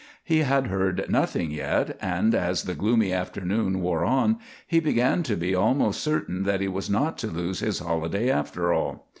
He had heard nothing yet, and as the gloomy afternoon wore on he began to be almost certain that he was not to lose his holiday, after all.